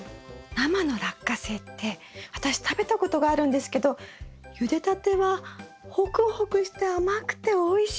生のラッカセイって私食べたことがあるんですけどゆでたてはホクホクして甘くておいしいですよね。